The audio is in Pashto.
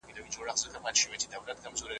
سياسي ټولنپوهنه د قدرت اړيکي ګوري.